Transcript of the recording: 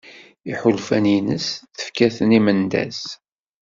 Iḥulfan-ines tefka-ten i Mendas.